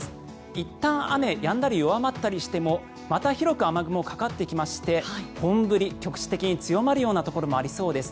いったん雨やんだり弱まったりしてもまた広く雨雲かかってきまして本降り、局地的に強まるようなところもありそうです。